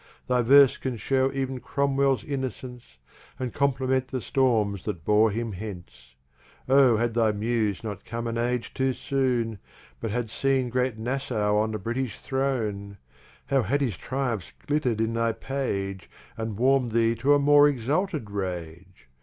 Thy Verse can show ev'n Cromwell's innocence, And Compliment the Storms that bore him hence. Oh had thy Muse not come an Age too soon, But seen Great Nassaw on the British Throne! How had his Triumphs glitter'd in thy Page, And warm'd Thee to a more Exalted Rage!